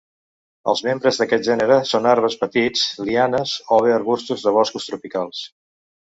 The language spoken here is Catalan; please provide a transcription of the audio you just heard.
Els membres d'aquest gènere són arbres petits, lianes o bé arbustos de boscos tropicals.